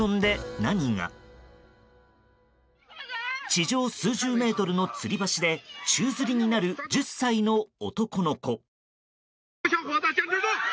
地上数十メートルのつり橋で宙づりになる１０歳の男の子。